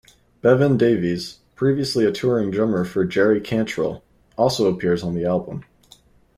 Bevan Davies, previously a touring drummer for Jerry Cantrell, also appears on the album.